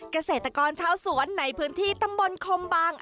เกษตรกรชาวสวนในพื้นที่ตำบลคมบาง